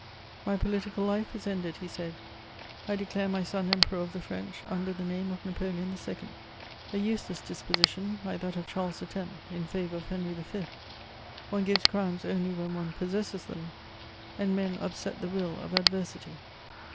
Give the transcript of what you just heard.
"My political life is ended," he said; "I declare my son Emperor of the French, under the name of Napoleon II." A useless disposition, like that of Charles X. in favour of Henry V.: one gives crowns only when one possesses them, and men upset the will of adversity.